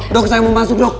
dok saya mau masuk dok